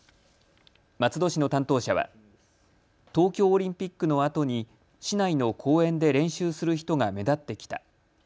松戸市の担当者は東京オリンピックのあとに市内の公園で練習する人が目立ってきた。